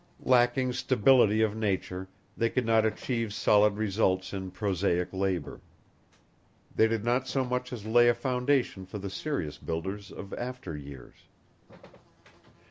Lacking stability of nature, they could not achieve solid results in prosaic labor. They did not so much as lay a foundation for the serious builders of after years.